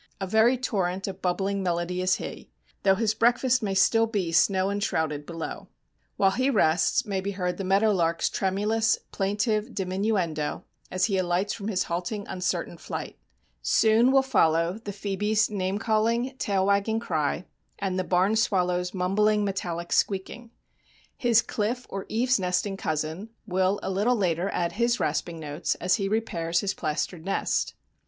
A very torrent of bubbling melody is he, though his breakfast may still be snow enshrouded below. While he rests may be heard the meadowlark's tremulous, plaintive diminuendo, as he alights from his halting, uncertain flight. Soon will follow the phœbe's name calling, tail wagging cry and the barn swallow's mumbling, metallic squeaking. His cliff or eaves nesting cousin will a little later add his rasping notes as he repairs his plastered nest.